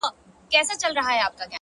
رښتیا تل بریا مومي.